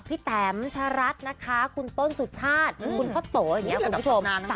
แตมชะรัฐนะคะคุณต้นสุชาติคุณพ่อโตอย่างนี้คุณผู้ชม